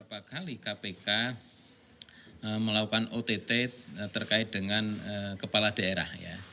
berapa kali kpk melakukan ott terkait dengan kepala daerah